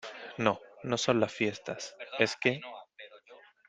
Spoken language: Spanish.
no , no son las fiestas , es que ...